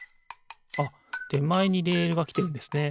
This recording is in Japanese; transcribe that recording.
あってまえにレールがきてるんですね。